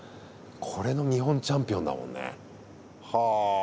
これの日本チャンピオンだもんね。